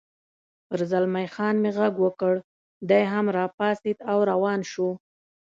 پر زلمی خان مې غږ وکړ، دی هم را پاڅېد او روان شو.